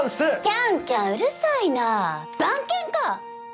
キャンキャンうるさいなぁ番犬か！